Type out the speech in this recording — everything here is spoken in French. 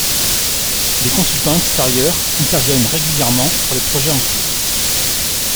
Des consultants extérieurs interviennent régulièrement sur les projets en cours.